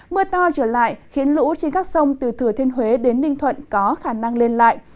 mưa to trở lại khiến lũ trên các sông từ thừa thiên huế đến ninh thuận có khả năng lên lại